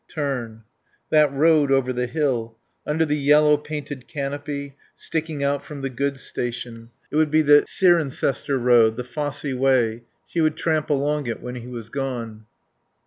Turn. That road over the hill under the yellow painted canopy sticking out from the goods station it would be the Cirencester road, the Fosse Way. She would tramp along it when he was gone.